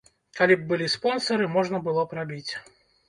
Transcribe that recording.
Калі б былі спонсары, можна было б рабіць.